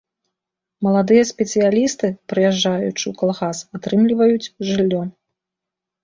Маладыя спецыялісты, прыязджаючы ў калгас, атрымліваюцца жыллё.